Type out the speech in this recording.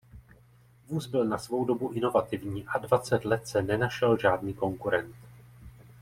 Vůz byl na svou dobu inovativní a dvacet let se nenašel žádný konkurent.